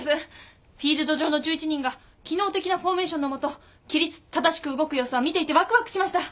フィールド上の１１人が機能的なフォーメーションの下規律正しく動く様子は見ていてわくわくしました。